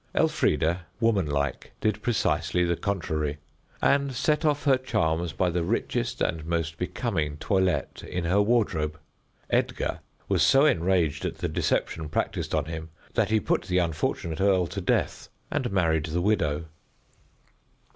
Elfrida, woman like, did precisely the contrary, and set off her charms by the richest and most becoming toilette in her wardrobe. Edgar was so enraged at the deception practiced on him that he put the unfortunate earl to death, and married the widow.